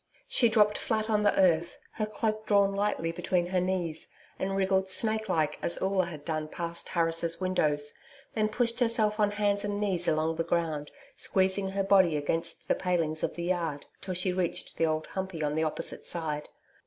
She dropped flat on the earth, her cloak drawn lightly between her knees, and wriggled snake like, as Oola had done past Harris' windows, then pushed herself on hands and knees along the ground, squeezing her body against the palings of the yard, till she reached the Old Humpey on the opposite side.